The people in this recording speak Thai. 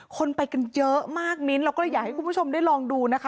คนไปกันเยอะมากมิ้นเราก็เลยอยากให้คุณผู้ชมได้ลองดูนะคะ